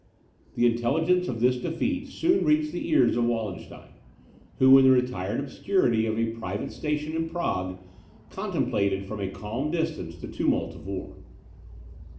The intelligence of this defeat soon reached the ears of Wallenstein, who, in the retired obscurity of a private station in Prague, contemplated from a calm distance the tumult of war.